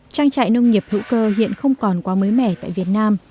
trang trại nông nghiệp hữu cơ hiện không còn quá mới mẻ tại việt nam